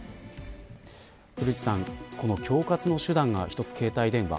古市さん、この恐喝の手段が携帯電話。